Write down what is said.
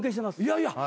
いやいや。